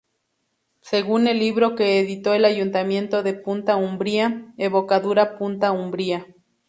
Según el libro que editó el ayuntamiento de Punta Umbría "Evocadora Punta Umbría".